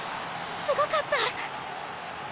すごかった。